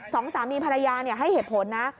สองสามีภรรยาให้เหตุผลนะ